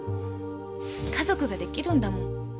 家族ができるんだもん。